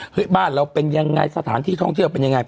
บ้านเราเป็นยังไงสถานที่ท่องเที่ยวเป็นยังไง